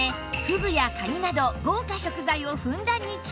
フグやカニなど豪華食材をふんだんに使い